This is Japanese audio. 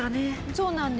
そうなんですよ。